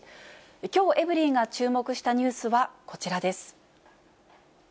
きょう、エブリィが注目したニュースはこちらです。